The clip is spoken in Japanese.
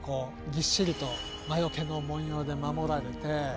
ぎっしりと魔よけの文様で守られて。